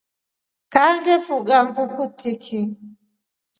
Kaa ngefuga nguku tiki.